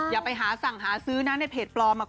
อย่าไปหาสั่งหาซื้อนะในเพจปลอม